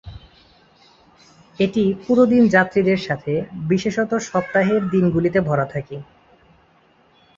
এটি পুরো দিন যাত্রীদের সাথে বিশেষত সপ্তাহের দিনগুলিতে ভরা থাকে।